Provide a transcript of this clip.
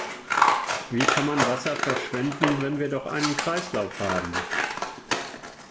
Wie kann man Wasser verschwenden, wenn wir doch einen Kreislauf haben?